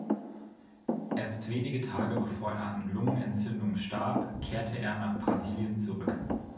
Erst wenige Tage bevor er an Lungenentzündung starb, kehrte er nach Brasilien zurück.